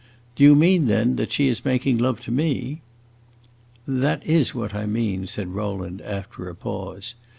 "Do you mean, then, that she is making love to me?" "This is what I mean," said Rowland, after a pause.